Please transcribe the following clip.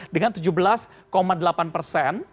dengan tujuh belas delapan persen